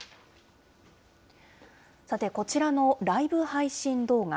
さて、こちらのライブ配信動画。